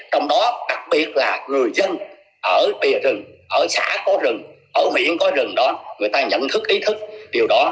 trong đó đặc biệt là người dân ở bìa rừng ở xã có rừng ở miệng có rừng đó người ta nhận thức ý thức điều đó